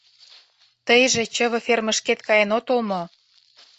Тыйже чыве фермышкет каен отыл мо?